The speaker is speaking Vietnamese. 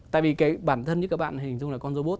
tại vì cái bản thân như các bạn hình dung là con robot